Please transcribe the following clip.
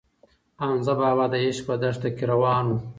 حمزه بابا د عشق په دښته کې روان و.